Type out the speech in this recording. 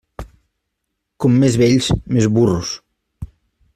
Com més vells, més burros.